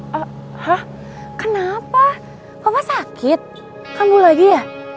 hah kenapa papa sakit kamu lagi ya